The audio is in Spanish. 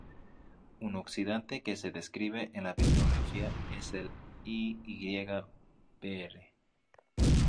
Un oxidante que se describe en la bibliografía es el I Y Br.